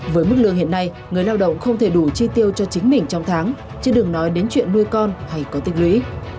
với mức lương hiện nay người lao động không thể đủ chi tiêu cho chính mình trong tháng chứ đừng nói đến chuyện nuôi con hay có tích lũy